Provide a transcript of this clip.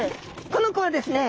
この子はですね